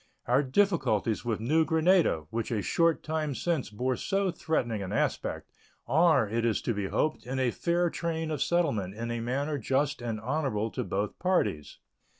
Our difficulties with New Granada, which a short time since bore so threatening an aspect, are, it is to be hoped, in a fair train of settlement in a manner just and honorable to both parties.